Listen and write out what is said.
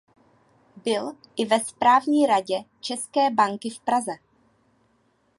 Byl i ve správní radě České banky v Praze.